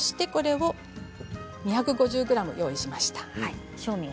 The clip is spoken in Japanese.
２５０ｇ用意しました。